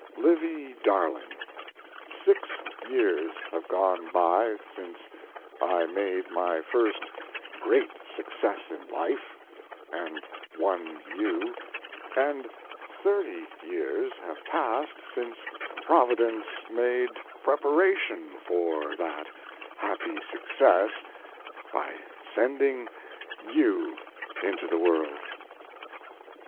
LIVY DARLING, Six years have gone by since I made my first great success in life and won you, and thirty years have passed since Providence made preparation for that happy success by sending you into the world.